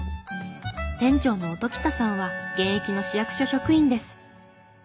店長の音喜多さんは現役の市役所職員です。